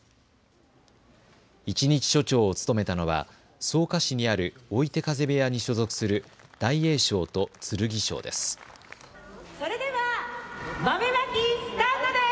一日署長を務めたのは草加市にある追手風部屋に所属する大栄翔と剣翔です。